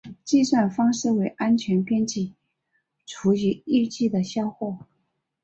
计算方式为安全边际除以预计的销货。